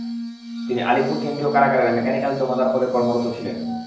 তিনি আলিপুর কেন্দ্রীয় কারাগারের মেকানিক্যাল জমাদার পদে কর্মরত ছিলেন।